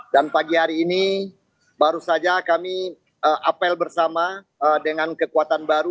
dan pagi hari ini baru saja kami apel bersama dengan kekuatan baru